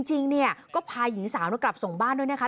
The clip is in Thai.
จริงเนี่ยก็พาหญิงสาวกลับส่งบ้านด้วยนะคะ